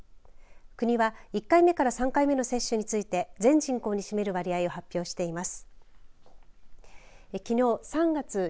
国は１回目から３回目の接種について全人口に占める割合を発表しています。